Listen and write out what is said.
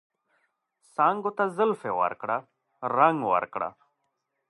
څانګو ته زلفې ورکړه ، رنګ ورکړه